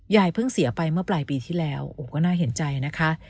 เพิ่งเสียไปเมื่อปลายปีที่แล้วโอ้ก็น่าเห็นใจนะคะ